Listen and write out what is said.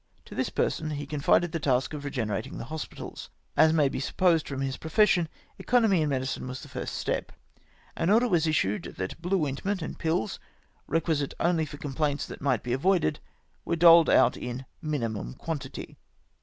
To this person was confided the 160 RESULTS OF MEDICAL ECONOMY. task of regenerating tlie hospitals. As may be sup posed, from his profession, economy in medicine was the first step. An order was issued that bhie ointment and pills, recjuisite only for complaints that might be avoided, were doled out in minimum quantity.